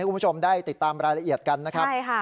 คุณผู้ชมได้ติดตามรายละเอียดกันนะครับ